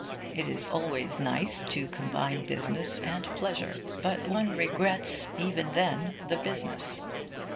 It is always nice to combine business and pleasure. But one regrets, even then, the business.